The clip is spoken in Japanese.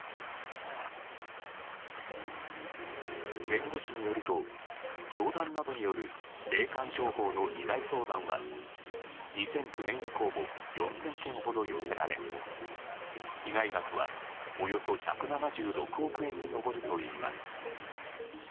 弁護士によると教団などによる霊感商法の被害相談は２００９年以降も４０００件ほど寄せられ被害額はおよそ１７６億円に上るといいます。